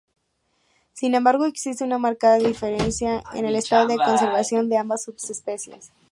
Sin embargo, existe una marcada diferencia en el estado de conservación de ambas subespecies.